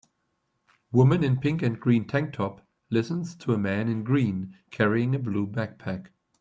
Woman in pink and green tank top listens to a man in green carrying a blue backpack.